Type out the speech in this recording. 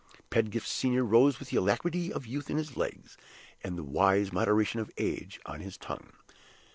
Pedgift Senior rose with the alacrity of youth in his legs, and the wise moderation of age on his tongue.